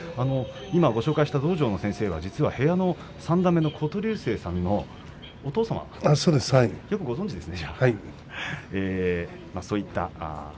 今ご紹介した道場の先生は部屋の三段目の琴隆成さんのお父さんなんですね。